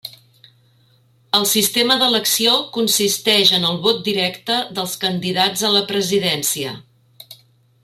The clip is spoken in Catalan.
El sistema d'elecció consisteix en el vot directe dels candidats a la presidència.